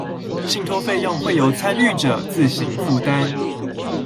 信託費用會由參與者自行負擔